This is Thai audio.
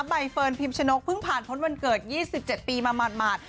ใบเฟิร์นพิมชนกเพิ่งผ่านพ้นวันเกิด๒๗ปีมาหมาด